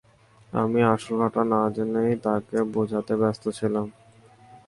আমি আসল ঘটনা না জেনেই, তাকে বুঝাতে ব্যাস্ত ছিলাম।